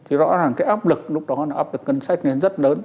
thì rõ ràng cái áp lực lúc đó là áp lực ngân sách nên rất lớn